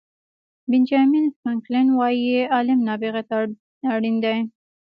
بینجامین فرانکلن وایي علم نابغه ته اړین دی.